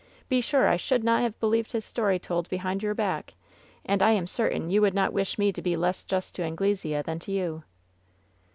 Be sure I should not have believed his story told behind your back. And I am certain you would not wish me to be less just to Anglesea than to you."